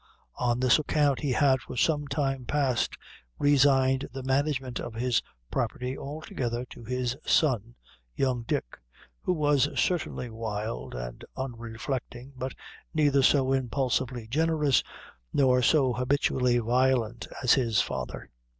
On this account he had for some time past resigned the management of his property altogether to his son, young Dick, who was certainly wild and unreflecting, but neither so impulsively generous, nor so habitually violent as his father.